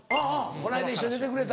この間一緒に出てくれた。